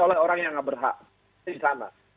oleh orang yang nggak berhak